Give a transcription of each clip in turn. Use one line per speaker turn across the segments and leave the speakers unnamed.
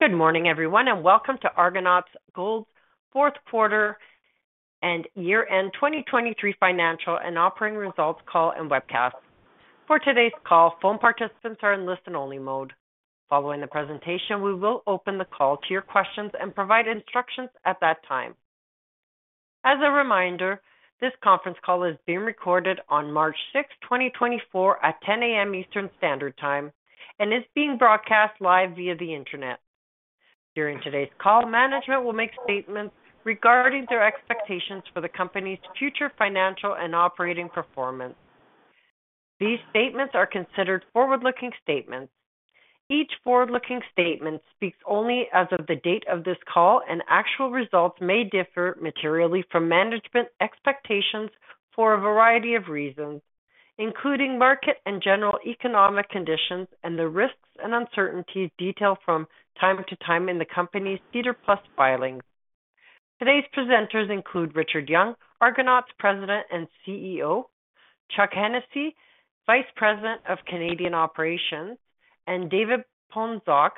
Good morning, everyone, and welcome to Argonaut Gold's Fourth Quarter and Year-End 2023 Financial and Operating Results Call and Webcast. For today's call, phone participants are in listen-only mode. Following the presentation, we will open the call to your questions and provide instructions at that time. As a reminder, this conference call is being recorded on March 6, 2024, at 10:00 A.M. Eastern Standard Time, and is being broadcast live via the Internet. During today's call, management will make statements regarding their expectations for the company's future financial and operating performance. These statements are considered forward-looking statements. Each forward-looking statement speaks only as of the date of this call, and actual results may differ materially from management expectations for a variety of reasons, including market and general economic conditions, and the risks and uncertainties detailed from time to time in the company's SEDAR+ filings. Today's presenters include Richard Young, Argonaut's President and CEO, Chuck Hennessey, Vice President of Canadian Operations, and David Ponczoch,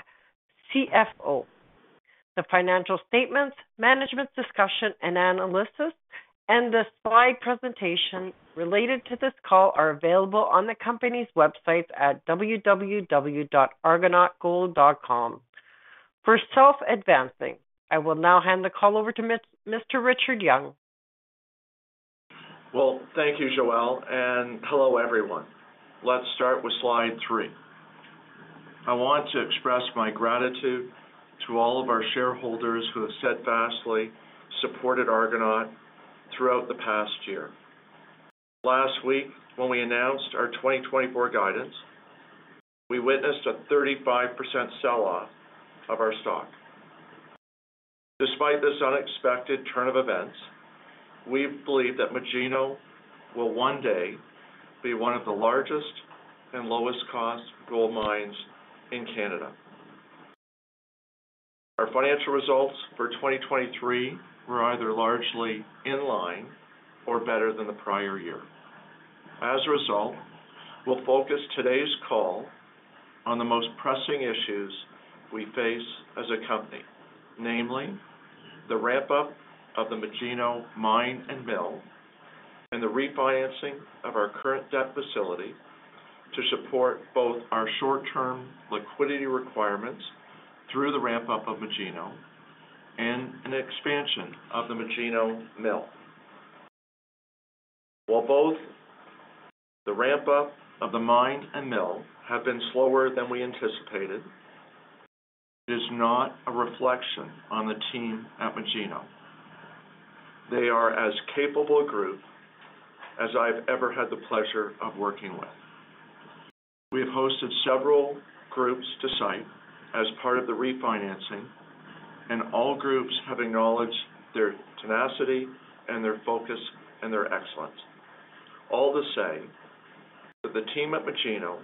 CFO. The financial statements, management's discussion and analysis, and the slide presentation related to this call are available on the company's website at www.argonautgold.com. For self-advancing, I will now hand the call over to Mr. Richard Young.
Well, thank you, Joel, and hello, everyone. Let's start with slide 3. I want to express my gratitude to all of our shareholders who have steadfastly supported Argonaut throughout the past year. Last week, when we announced our 2024 guidance, we witnessed a 35% sell-off of our stock. Despite this unexpected turn of events, we believe that Magino will one day be one of the largest and lowest-cost gold mines in Canada. Our financial results for 2023 were either largely in line or better than the prior year. As a result, we'll focus today's call on the most pressing issues we face as a company, namely, the ramp-up of the Magino Mine and mill, and the refinancing of our current debt facility to support both our short-term liquidity requirements through the ramp-up of Magino and an expansion of the Magino mill. While both the ramp-up of the mine and mill have been slower than we anticipated, it is not a reflection on the team at Magino. They are as capable a group as I've ever had the pleasure of working with. We have hosted several groups to site as part of the refinancing, and all groups have acknowledged their tenacity and their focus and their excellence. All the same, that the team at Magino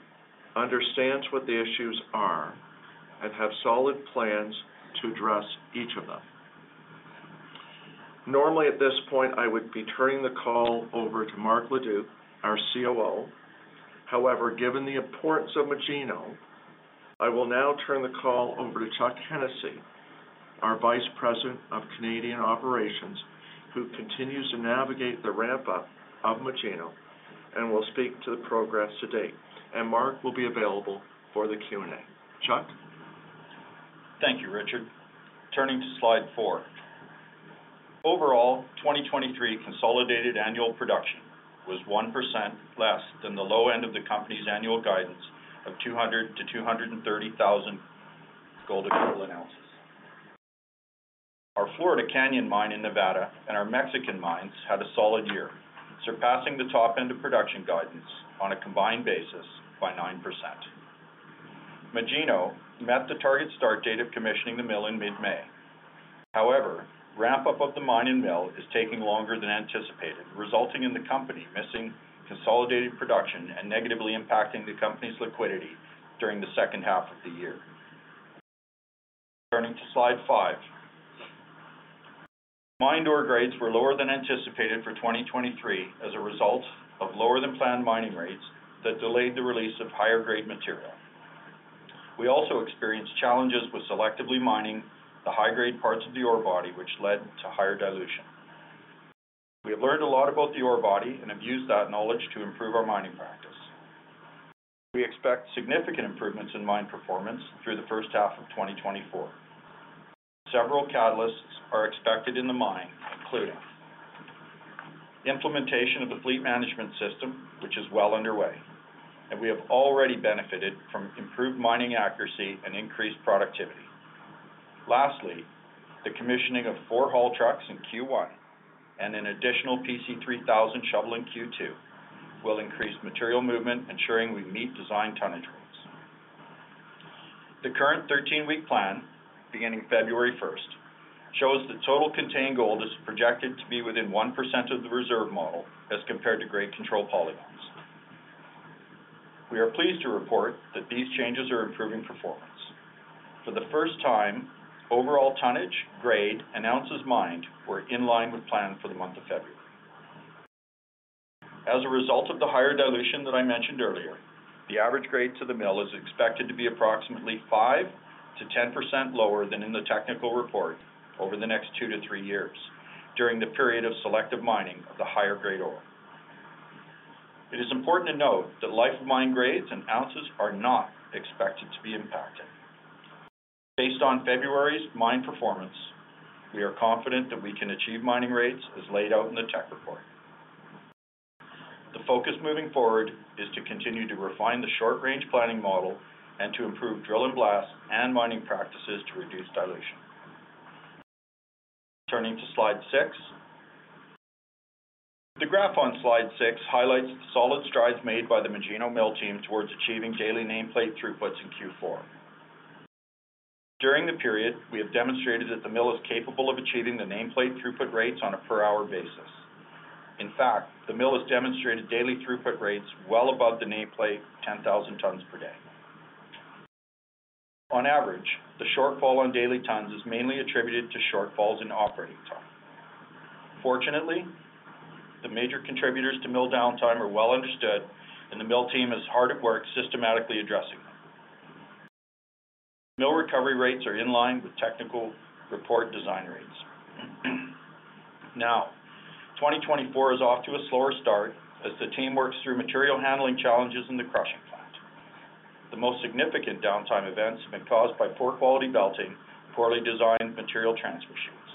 understands what the issues are and have solid plans to address each of them. Normally, at this point, I would be turning the call over to Marc Leduc, our COO. However, given the importance of Magino, I will now turn the call over to Chuck Hennessey, our Vice President of Canadian Operations, who continues to navigate the ramp-up of Magino and will speak to the progress to date. Marc will be available for the Q&A. Chuck?
Thank you, Richard. Turning to slide 4. Overall, 2023 consolidated annual production was 1% less than the low end of the company's annual guidance of 200,000-230,000 gold equivalent ounces. Our Florida Canyon Mine in Nevada and our Mexican mines had a solid year, surpassing the top end of production guidance on a combined basis by 9%. Magino met the target start date of commissioning the mill in mid-May. However, ramp-up of the mine and mill is taking longer than anticipated, resulting in the company missing consolidated production and negatively impacting the company's liquidity during the second half of the year. Turning to slide 5. Mine ore grades were lower than anticipated for 2023 as a result of lower than planned mining rates that delayed the release of higher-grade material. We also experienced challenges with selectively mining the high-grade parts of the ore body, which led to higher dilution. We have learned a lot about the ore body and have used that knowledge to improve our mining practice. We expect significant improvements in mine performance through the first half of 2024. Several catalysts are expected in the mine, including the implementation of the fleet management system, which is well underway, and we have already benefited from improved mining accuracy and increased productivity. Lastly, the commissioning of 4 haul trucks in Q1 and an additional PC3000 shovel in Q2 will increase material movement, ensuring we meet design tonnage rates. The current 13-week plan, beginning February first, shows the total contained gold is projected to be within 1% of the reserve model as compared to grade control polygons. We are pleased to report that these changes are improving performance. For the first time, overall tonnage, grade, and ounces mined were in line with plan for the month of February. As a result of the higher dilution that I mentioned earlier, the average grade to the mill is expected to be approximately 5%-10% lower than in the technical report over the next 2-3 years, during the period of selective mining of the higher grade ore. It is important to note that life of mine grades and ounces are not expected to be impacted. Based on February's mine performance, we are confident that we can achieve mining rates as laid out in the tech report. The focus moving forward is to continue to refine the short-range planning model and to improve drill and blast and mining practices to reduce dilution. Turning to slide 6. The graph on slide 6 highlights the solid strides made by the Magino Mill team towards achieving daily nameplate throughputs in Q4. During the period, we have demonstrated that the mill is capable of achieving the nameplate throughput rates on a per-hour basis. In fact, the mill has demonstrated daily throughput rates well above the nameplate, 10,000 tons per day. On average, the shortfall on daily tons is mainly attributed to shortfalls in operating time. Fortunately, the major contributors to mill downtime are well understood, and the mill team is hard at work systematically addressing them. Mill recovery rates are in line with Technical Report design rates. Now, 2024 is off to a slower start as the team works through material handling challenges in the crushing plant. The most significant downtime events have been caused by poor quality belting, poorly designed material transfer chutes.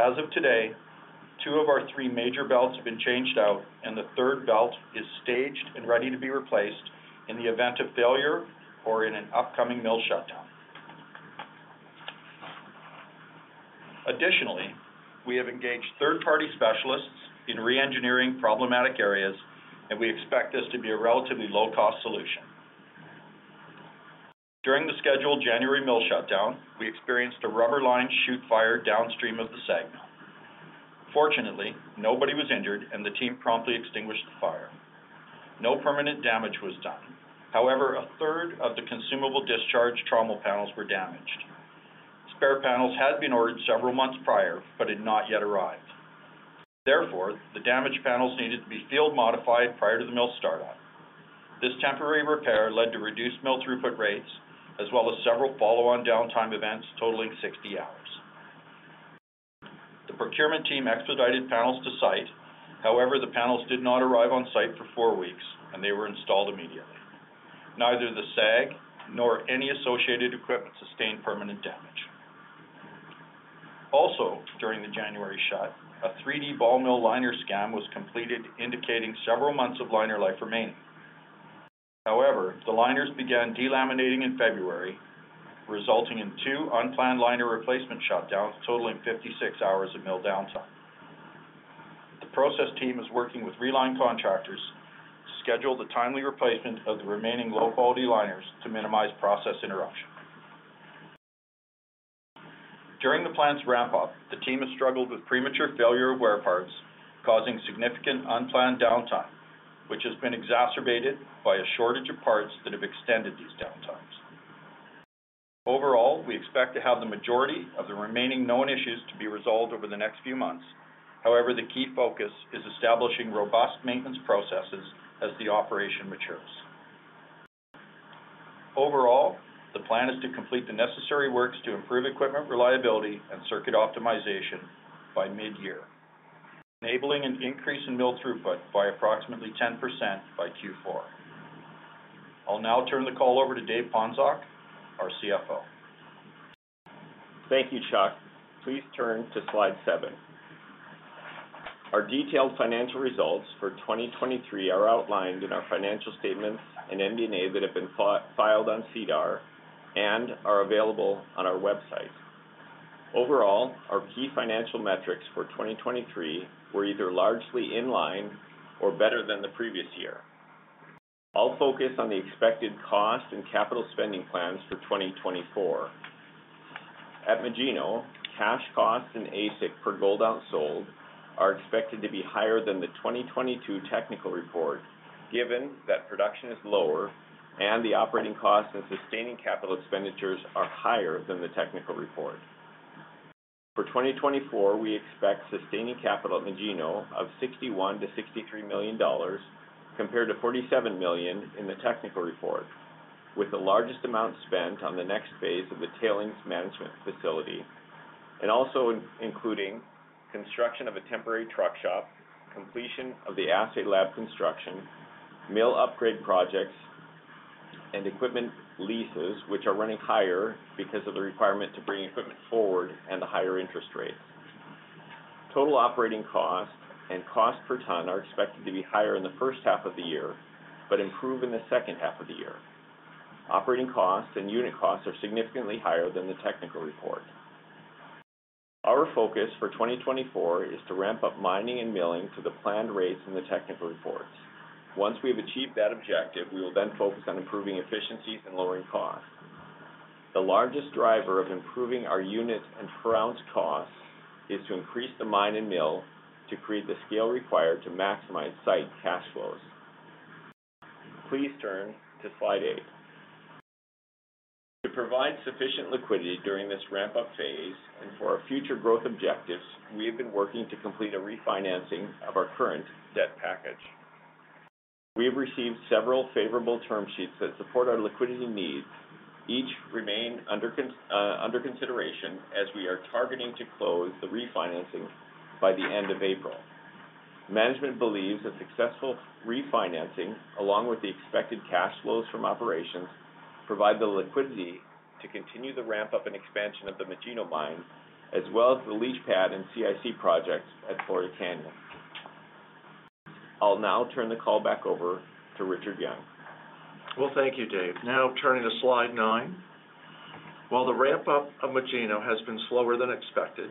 As of today, two of our three major belts have been changed out, and the third belt is staged and ready to be replaced in the event of failure or in an upcoming mill shutdown. Additionally, we have engaged third-party specialists in reengineering problematic areas, and we expect this to be a relatively low-cost solution. During the scheduled January mill shutdown, we experienced a rubber-lined chute fire downstream of the SAG mill. Fortunately, nobody was injured, and the team promptly extinguished the fire. No permanent damage was done. However, a third of the consumable discharge trommel panels were damaged. Spare panels had been ordered several months prior, but had not yet arrived. Therefore, the damaged panels needed to be field modified prior to the mill startup. This temporary repair led to reduced mill throughput rates, as well as several follow-on downtime events totaling 60 hours. The procurement team expedited panels to site. However, the panels did not arrive on site for 4 weeks, and they were installed immediately. Neither the SAG nor any associated equipment sustained permanent damage. Also, during the January shut, a 3D ball mill liner scan was completed, indicating several months of liner life remaining. However, the liners began delaminating in February, resulting in 2 unplanned liner replacement shutdowns totaling 56 hours of mill downtime. The process team is working with reline contractors to schedule the timely replacement of the remaining low-quality liners to minimize process interruption. During the plant's ramp-up, the team has struggled with premature failure of wear parts, causing significant unplanned downtime, which has been exacerbated by a shortage of parts that have extended these downtimes. Overall, we expect to have the majority of the remaining known issues to be resolved over the next few months. However, the key focus is establishing robust maintenance processes as the operation matures. Overall, the plan is to complete the necessary works to improve equipment reliability and circuit optimization by mid-year, enabling an increase in mill throughput by approximately 10% by Q4. I'll now turn the call over to David Ponczoch, our CFO.
Thank you, Chuck. Please turn to slide 7. Our detailed financial results for 2023 are outlined in our financial statements, and MD&A that have been filed on SEDAR and are available on our website. Overall, our key financial metrics for 2023 were either largely in line or better than the previous year. I'll focus on the expected cost and capital spending plans for 2024. At Magino, cash costs and AISC per gold ounce sold are expected to be higher than the 2022 technical report, given that production is lower and the operating costs and sustaining capital expenditures are higher than the technical report. For 2024, we expect sustaining capital at Magino of $61 million-$63 million, compared to $47 million in the technical report, with the largest amount spent on the next phase of the tailings management facility, and also including construction of a temporary truck shop, completion of the assay lab construction, mill upgrade projects, and equipment leases, which are running higher because of the requirement to bring equipment forward and the higher interest rates. Total operating costs and cost per ton are expected to be higher in the first half of the year, but improve in the second half of the year. Operating costs and unit costs are significantly higher than the technical report. Our focus for 2024 is to ramp up mining and milling to the planned rates in the technical reports. Once we've achieved that objective, we will then focus on improving efficiencies and lowering costs. The largest driver of improving our units and per ounce costs is to increase the mine and mill to create the scale required to maximize site cash flow. Please turn to slide 8. To provide sufficient liquidity during this ramp-up phase and for our future growth objectives, we have been working to complete a refinancing of our current debt package. We have received several favorable term sheets that support our liquidity needs. Each remain under consideration as we are targeting to close the refinancing by the end of April. Management believes a successful refinancing, along with the expected cash flows from operations, provide the liquidity to continue the ramp-up and expansion of the Magino Mine, as well as the leach pad and CIC projects at Florida Canyon. I'll now turn the call back over to Richard Young.
Well, thank you, Dave. Now turning to slide 9. While the ramp-up of Magino has been slower than expected,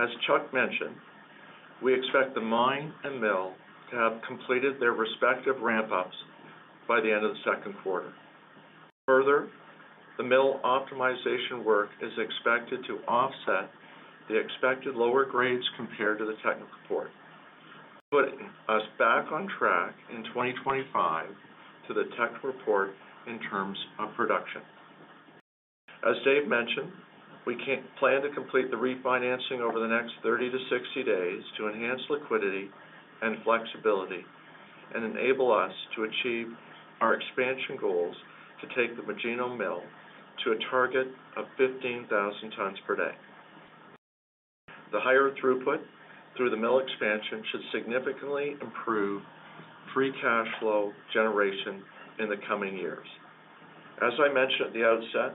as Chuck mentioned, we expect the mine and mill to have completed their respective ramp-ups by the end of the second quarter. Further, the mill optimization work is expected to offset the expected lower grades compared to the technical report, putting us back on track in 2025 to the tech report in terms of production. As Dave mentioned, we plan to complete the refinancing over the next 30-60 days to enhance liquidity and flexibility, and enable us to achieve our expansion goals, to take the Magino mill to a target of 15,000 tons per day. The higher throughput through the mill expansion should significantly improve free cash flow generation in the coming years. As I mentioned at the outset,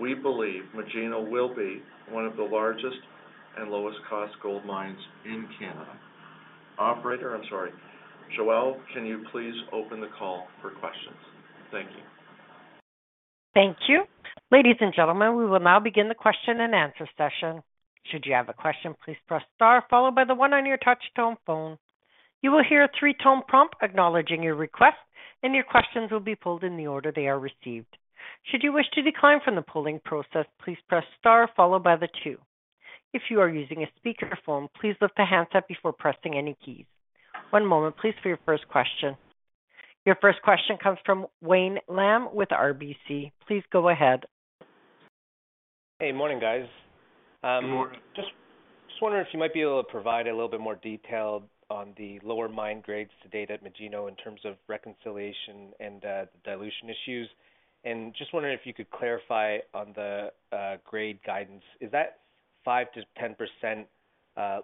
we believe Magino will be one of the largest and lowest-cost gold mines in Canada. Operator, I'm sorry. Joel, can you please open the call for questions? Thank you.
Thank you. Ladies and gentlemen, we will now begin the question-and-answer session. Should you have a question, please press star followed by the one on your touch-tone phone. You will hear a three-tone prompt acknowledging your request, and your questions will be pulled in the order they are received. Should you wish to decline from the polling process, please press star followed by the two. If you are using a speakerphone, please lift the handset before pressing any keys. One moment, please, for your first question. Your first question comes from Wayne Lam with RBC. Please go ahead.
Hey, morning, guys.
Good morning.
Just, just wondering if you might be able to provide a little bit more detail on the lower mine grades to date at Magino in terms of reconciliation and the dilution issues. Just wondering if you could clarify on the grade guidance. Is that 5%-10%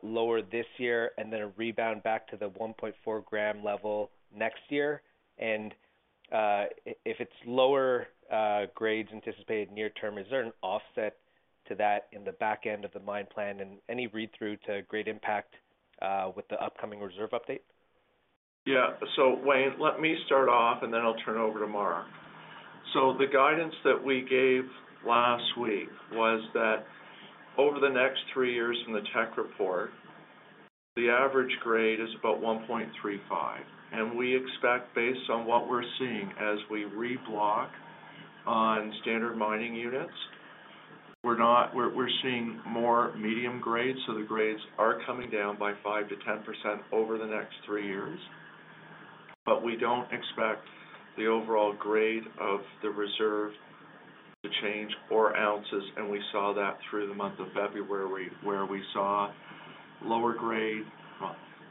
lower this year and then a rebound back to the 1.4-gram level next year? If it's lower grades anticipated near term, is there an offset to that in the back end of the mine plan and any read-through to grade impact with the upcoming reserve update?
Yeah. So, Wayne, let me start off, and then I'll turn it over to Marc. So the guidance that we gave last week was that over the next three years from the tech report, the average grade is about 1.35, and we expect, based on what we're seeing as we reblock on standard mining units, we're seeing more medium grades, so the grades are coming down by 5%-10% over the next three years. But we don't expect the overall grade of the reserve to change or ounces, and we saw that through the month of February, where we saw lower grade,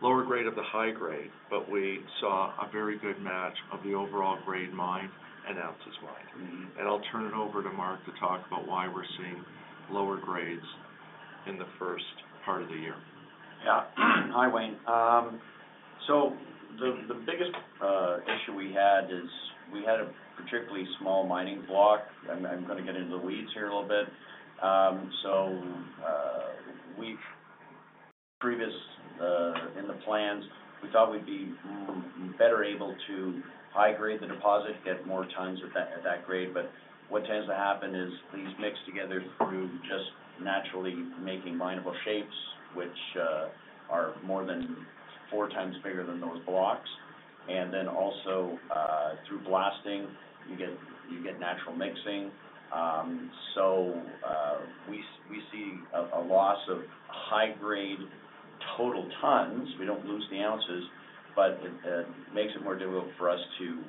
lower grade of the high grade, but we saw a very good match of the overall grade mined and ounces mined. I'll turn it over to Marc to talk about why we're seeing lower grades in the first part of the year.
Yeah. Hi, Wayne. So the biggest issue we had is we had a particularly small mining block. I'm going to get into the weeds here a little bit. So we've previously in the plans, we thought we'd be better able to high grade the deposit, get more tons at that grade. But what tends to happen is these mixed together through just naturally making mineable shapes, which are more than four times bigger than those blocks. And then also through blasting, you get natural mixing. So we see a loss of high grade, total tons. We don't lose the ounces, but it makes it more difficult for us to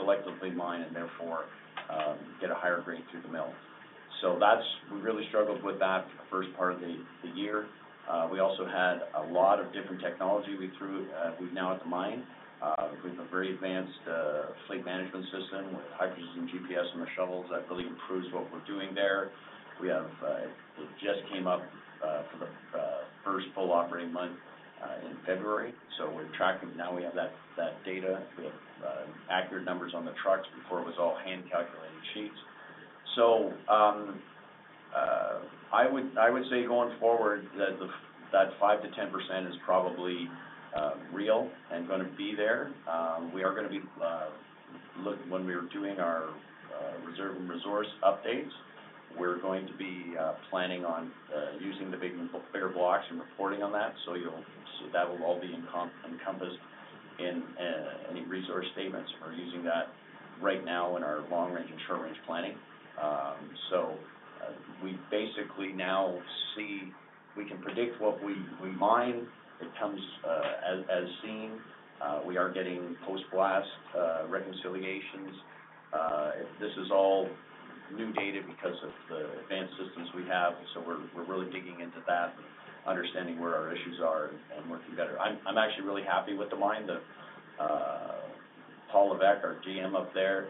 selectively mine and therefore get a higher grade through the mill. So that's, we really struggled with that the first part of the year. We also had a lot of different technology we threw, we've now at the mine. We have a very advanced, fleet management system with high-precision GPS and the shovels. That really improves what we're doing there. We have, it just came up, for the first full operating month in February, so we're tracking. Now we have that data with accurate numbers on the trucks. Before, it was all hand-calculated sheets. So, I would say going forward, that the 5%-10% is probably real and gonna be there. We are gonna be, look, when we are doing our reserve and resource updates, we're going to be planning on using the bigger blocks and reporting on that. So that will all be encompassed in any resource statements for using that now in our long-range and short-range planning. So, we basically now see, we can predict what we mine, it comes as seen. We are getting post-blast reconciliations. This is all new data because of the advanced systems we have, so we're really digging into that and understanding where our issues are and working better. I'm actually really happy with the mine. Paul Levesque, our GM up there,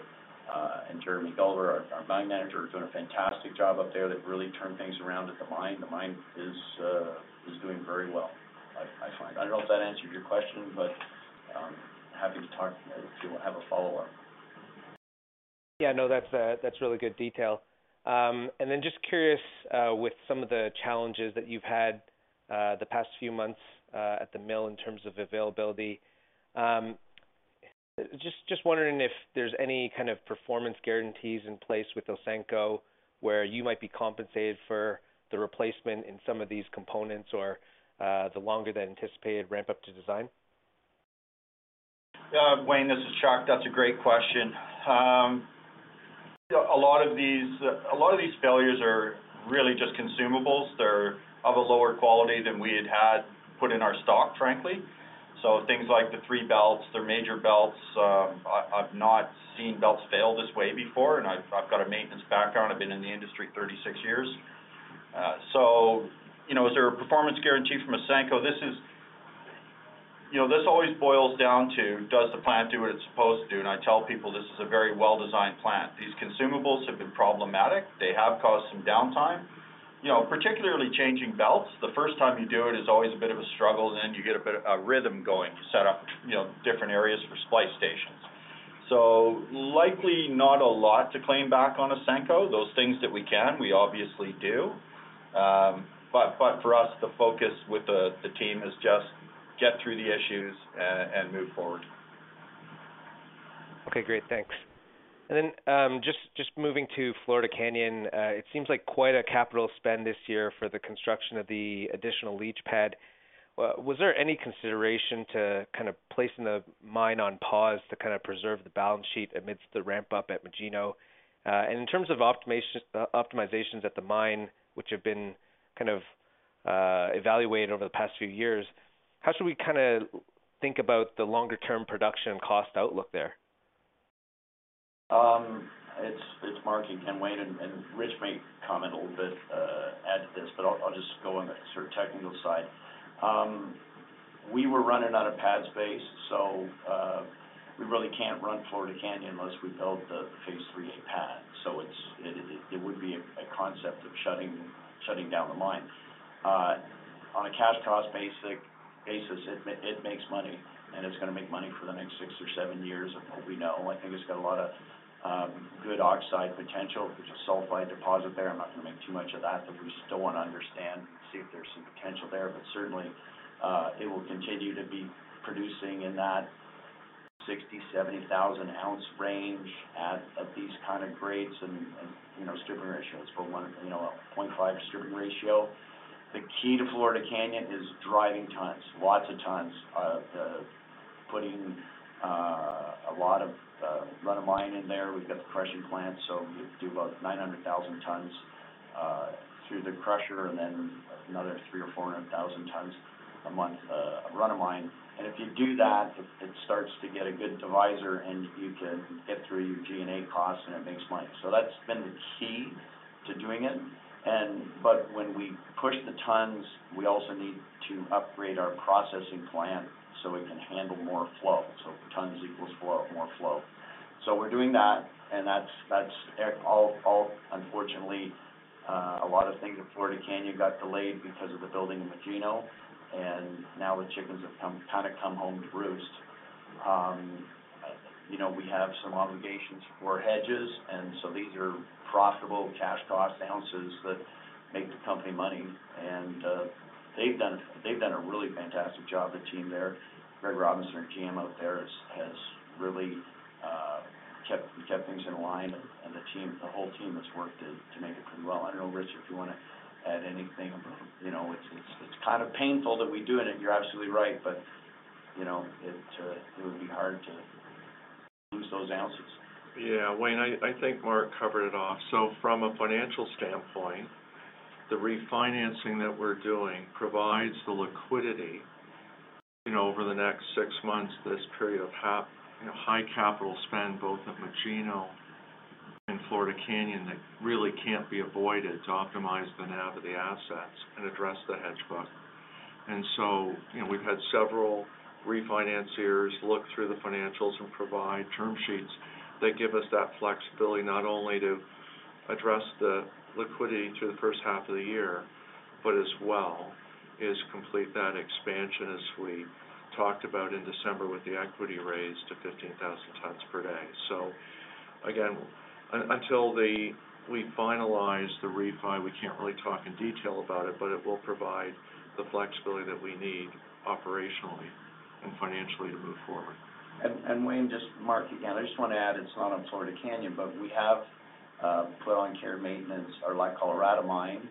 and Jeremy Gulliver, our mine manager, are doing a fantastic job up there. They've really turned things around at the mine. The mine is doing very well, I find. I don't know if that answered your question, but happy to talk if you have a follow-up.
Yeah, no, that's really good detail. And then just curious, with some of the challenges that you've had the past few months at the mill in terms of availability. Just wondering if there's any kind of performance guarantees in place with Ausenco, where you might be compensated for the replacement in some of these components or the longer-than-anticipated ramp-up to design?
Yeah, Wayne, this is Chuck. That's a great question. A lot of these, a lot of these failures are really just consumables. They're of a lower quality than we had had put in our stock, frankly. So things like the three belts, they're major belts, I've not seen belts fail this way before, and I've got a maintenance background. I've been in the industry 36 years. So, you know, is there a performance guarantee from Ausenco? This is, you know, this always boils down to, does the plant do what it's supposed to do? And I tell people, this is a very well-designed plant. These consumables have been problematic. They have caused some downtime. You know, particularly changing belts, the first time you do it is always a bit of a struggle, and then you get a bit, a rhythm going to set up, you know, different areas for splice stations. So likely not a lot to claim back on Ausenco. Those things that we can, we obviously do. But for us, the focus with the team is just get through the issues and move forward.
Okay, great. Thanks. And then, just, just moving to Florida Canyon, it seems like quite a capital spend this year for the construction of the additional leach pad. Was there any consideration to kind of placing the mine on pause to kind of preserve the balance sheet amidst the ramp up at Magino? And in terms of optimizations at the mine, which have been kind of evaluated over the past few years, how should we kind of think about the longer term production cost outlook there?
It's Marc again, Wayne, and Rich may comment a little bit, add to this, but I'll just go on the sort of technical side. We were running out of pad space, so we really can't run Florida Canyon unless we build the Phase IIIA pad. So it would be a concept of shutting down the mine. On a cash cost basis, it makes money, and it's going to make money for the next 6 or 7 years of what we know. I think it's got a lot of good oxide potential. There's a sulfide deposit there. I'm not going to make too much of that, but we still want to understand, see if there's some potential there. But certainly, it will continue to be producing in that 60,000-70,000 ounce range at these kind of grades and, you know, stripping ratios for one, you know, a 0.5 stripping ratio. The key to Florida Canyon is driving tons, lots of tons. Putting a lot of run of mine in there. We've got the crushing plant, so we do about 900,000 tons through the crusher and then another 300,000–400,000 tons a month run of mine. And if you do that, it starts to get a good divisor, and you can get through your G&A costs, and it makes money. So that's been the key to doing it. But when we push the tons, we also need to upgrade our processing plant so it can handle more flow. So tons equals flow, more flow. So we're doing that, and that's all. Unfortunately, a lot of things at Florida Canyon got delayed because of the building in Magino, and now the chickens have come, kind of come home to roost. You know, we have some obligations for hedges, and so these are profitable cash cost ounces that make the company money, and they've done a really fantastic job, the team there. Greg Robinson, our GM out there, has really kept things in line, and the team, the whole team has worked to make it pretty well. I don't know, Rich, if you want to add anything. You know, it's kind of painful that we do it, and you're absolutely right, but you know, it would be hard to lose those ounces.
Yeah, Wayne, I think Marc covered it off. So from a financial standpoint, the refinancing that we're doing provides the liquidity, you know, over the next six months, this period of high capital spend, both at Magino and Florida Canyon, that really can't be avoided to optimize the NAV of the assets and address the hedge book. And so, you know, we've had several refinancers look through the financials and provide term sheets that give us that flexibility, not only to address the liquidity through the first half of the year, but as well to complete that expansion, as we talked about in December, with the equity raise to 15,000 tons per day. So again, until we finalize the refi, we can't really talk in detail about it, but it will provide the flexibility that we need operationally and financially to move forward.
Wayne, just Marc again, I just want to add, it's not on Florida Canyon, but we have put on care and maintenance or like La Colorada Mine,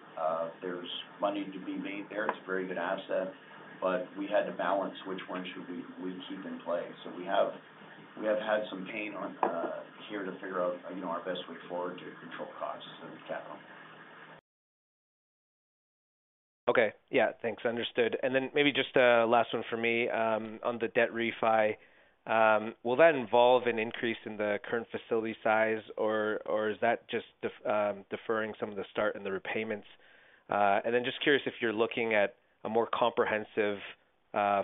there's money to be made there. It's a very good asset, but we had to balance which one should we keep in play. So we have had some pain here to figure out, you know, our best way forward to control costs and cap them.
Okay. Yeah, thanks, understood. And then maybe just a last one for me, on the debt refi. Will that involve an increase in the current facility size, or, or is that just, deferring some of the start and the repayments? And then just curious if you're looking at a more comprehensive,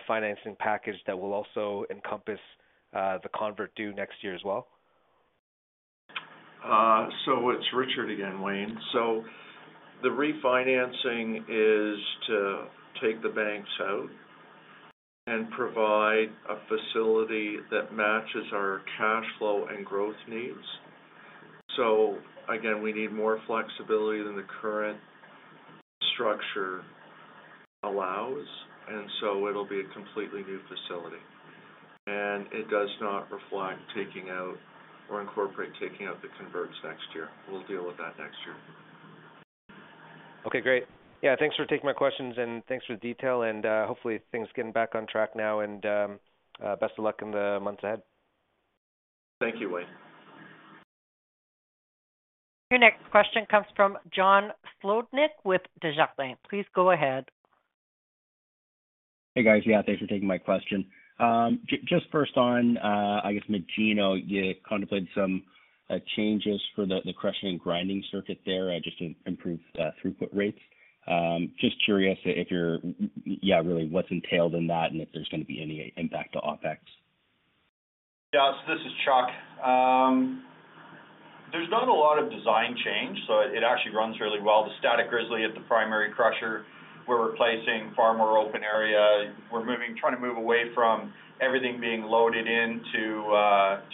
financing package that will also encompass, the convert due next year as well?
So it's Richard again, Wayne. So the refinancing is to take the banks out and provide a facility that matches our cash flow and growth needs. So again, we need more flexibility than the current structure allows, and so it'll be a completely new facility. And it does not reflect taking out or incorporate taking out the converts next year. We'll deal with that next year.
Okay, great. Yeah, thanks for taking my questions, and thanks for the detail, and hopefully, things are getting back on track now, and best of luck in the months ahead.
Thank you, Wayne.
Your next question comes from John Sclodnick with Desjardins. Please go ahead.
Hey, guys. Yeah, thanks for taking my question. Just first on, I guess, Magino, you contemplated some changes for the crushing and grinding circuit there, just to improve throughput rates. Just curious if you're, yeah, really, what's entailed in that, and if there's going to be any impact to OpEx?
Yeah, this is Chuck. There's not a lot of design change, so it actually runs really well. The static grizzly at the primary crusher, we're replacing far more open area. We're moving, trying to move away from everything being loaded into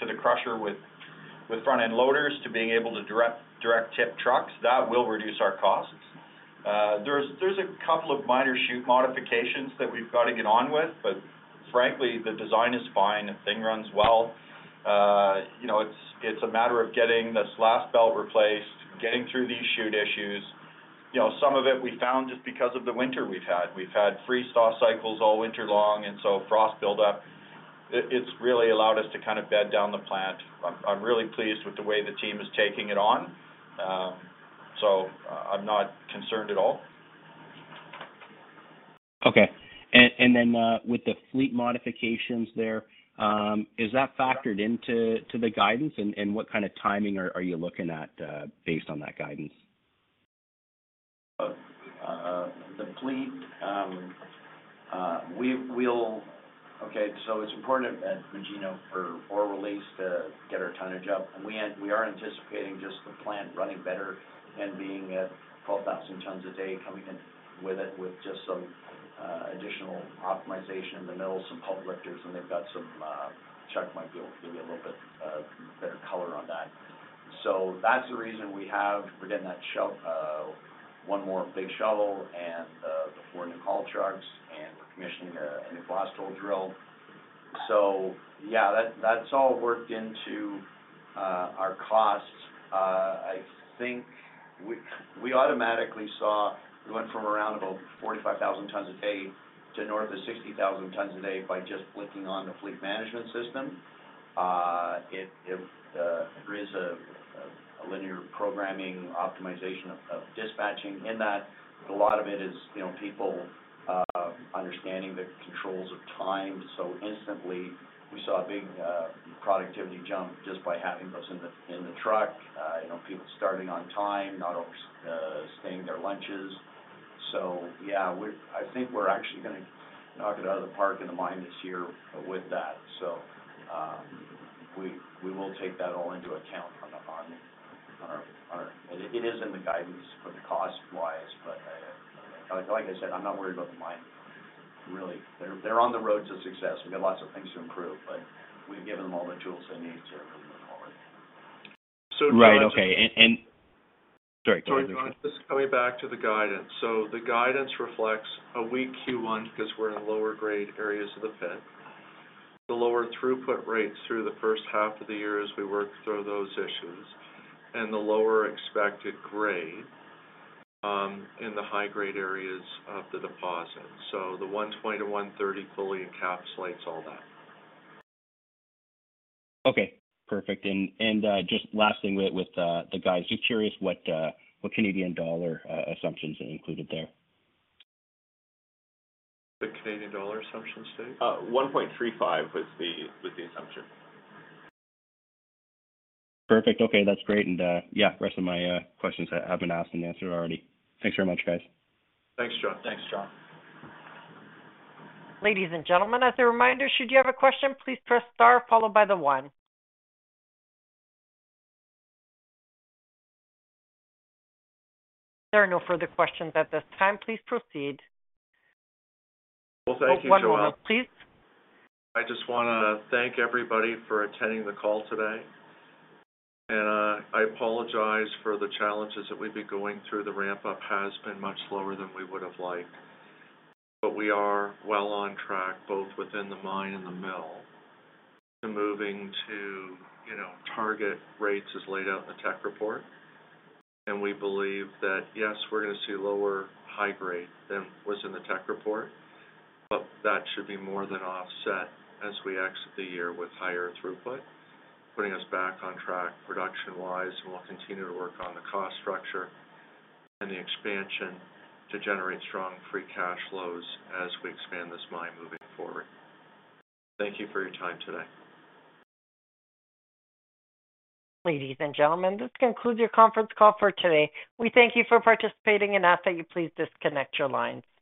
to the crusher with front-end loaders to being able to direct tip trucks. That will reduce our costs. There's a couple of minor chute modifications that we've got to get on with, but frankly, the design is fine. The thing runs well. You know, it's a matter of getting this last belt replaced, getting through these chute issues. You know, some of it we found just because of the winter we've had. We've had freeze-thaw cycles all winter long, and so frost buildup, it's really allowed us to kind of bed down the plant. I'm really pleased with the way the team is taking it on, so I'm not concerned at all.
Okay. And then, with the fleet modifications there, is that factored into the guidance? And what kind of timing are you looking at, based on that guidance?
Okay, so it's important at Magino for ore release to get our tonnage up. We are anticipating just the plant running better and being at 12,000 tons a day, coming in with it with just some additional optimization in the middle, some pulp lifters, and they've got some. Chuck might give you a little bit better color on that. So that's the reason we're getting that one more big shovel and the four new haul trucks, and we're commissioning a new blasthole drill. So yeah, that's all worked into our costs. I think we automatically saw we went from around about 45,000 tons a day to north of 60,000 tons a day by just flicking on the fleet management system. There is a linear programming optimization of dispatching in that. A lot of it is, you know, people understanding the controls of time. So instantly, we saw a big productivity jump just by having those in the truck, you know, people starting on time, not staying their lunches. So, yeah, I think we're actually gonna knock it out of the park in the mine this year with that. So, we will take that all into account from the mining. It is in the guidance for the cost-wise, but, like I said, I'm not worried about the mine, really. They're on the road to success. We've got lots of things to improve, but we've given them all the tools they need to improve the quality.
Right. Okay. Sorry, go ahead.
Just coming back to the guidance. So the guidance reflects a weak Q1 because we're in lower grade areas of the pit, the lower throughput rates through the first half of the year as we work through those issues, and the lower expected grade in the high-grade areas of the deposit. So the 1.0-1.30 fully encapsulates all that.
Okay, perfect. And just last thing with the guys. Just curious, what Canadian dollar assumptions are included there?
The Canadian dollar assumptions there?
1.35 was the assumption.
Perfect. Okay, that's great. And, yeah, the rest of my questions have been asked and answered already. Thanks very much, guys.
Thanks, John.
Thanks, John.
Ladies and gentlemen, as a reminder, should you have a question, please press star followed by the one. There are no further questions at this time. Please proceed.
Well, thank you, John.
One moment, please.
I just wanna thank everybody for attending the call today. I apologize for the challenges that we've been going through. The ramp-up has been much slower than we would have liked, but we are well on track, both within the mine and the mill. We're moving to, you know, target rates as laid out in the tech report, and we believe that, yes, we're going to see lower high grade than was in the tech report, but that should be more than offset as we exit the year with higher throughput, putting us back on track production-wise, and we'll continue to work on the cost structure and the expansion to generate strong free cash flows as we expand this mine moving forward. Thank you for your time today.
Ladies and gentlemen, this concludes your conference call for today. We thank you for participating and ask that you please disconnect your lines.